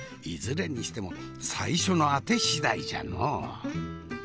いずれにしても最初のあて次第じゃの。